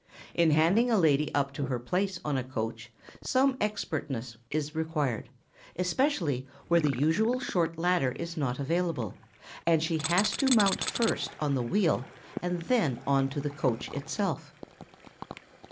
In handing a lady up to her place on a coach some expertness is required, especially where the usual short ladder is not available, and she has to mount first on the wheel and then on to the coach itself.